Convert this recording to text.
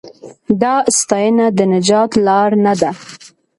دا ستاینه د نجات لار نه ده.